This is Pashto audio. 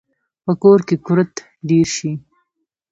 په کور کې کورت ډیر شي